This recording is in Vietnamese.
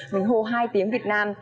mình hô hai tiếng việt nam